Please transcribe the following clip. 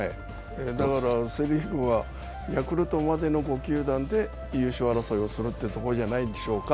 セ・リーグはヤクルトまでの５球団で優勝争いをするというところじゃないですか。